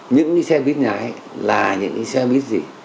những cái xe buýt này là những cái xe buýt gì